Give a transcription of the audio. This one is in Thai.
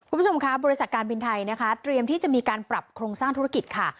คุณผู้ชมค่ะบริษัทการบินไทยนะคะเตรียมที่จะมีการปรับโครงสร้างธุรกิจค่ะ